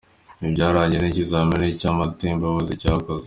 Ibi byagaragajwe ni ikizamini cy’amatembabuzi cyakozwe.